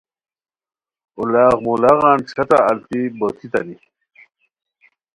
اولاغ مو لاغان ݯیھترا التی بو تیتانی